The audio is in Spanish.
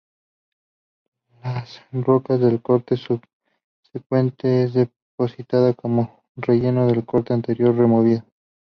Las rocas del corte subsecuente es depositada como relleno en el corte anterior removido.